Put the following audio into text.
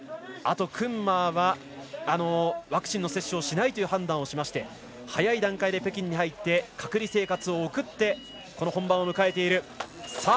あと、クンマーはワクチンの接種をしないという判断をして早い段階で北京に入って隔離生活を送ってこの本番を迎えています。